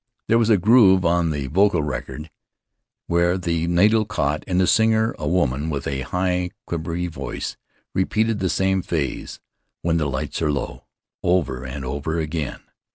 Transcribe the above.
There was a groove on the vocal record where the needle caught, and the singer, a woman with a high, quavery voice, repeated the same phrase, "when the lights are low," over and over again.